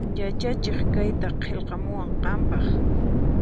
Yachachiq kayta qillqamuwan qanpaq